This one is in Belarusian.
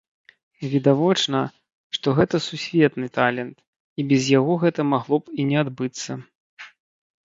Відавочна, што гэта сусветны талент, і без яго гэта магло б і не адбыцца.